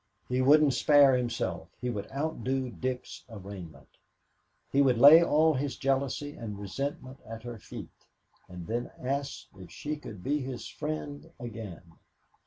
He wouldn't spare himself, he would outdo Dick's arraignment. He would lay all his jealousy and resentment at her feet, and then ask if she could be his friend again.